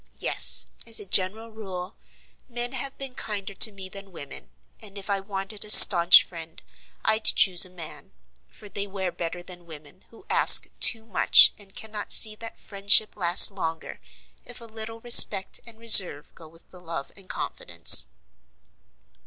Yes, as a general rule, men have been kinder to me than women; and if I wanted a staunch friend I'd choose a man, for they wear better than women, who ask too much, and cannot see that friendship lasts longer if a little respect and reserve go with the love and confidence."